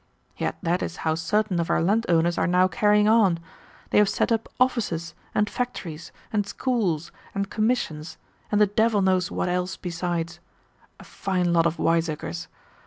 Yet that is how certain of our landowners are now carrying on. They have set up 'offices' and factories and schools and 'commissions,' and the devil knows what else besides. A fine lot of wiseacres!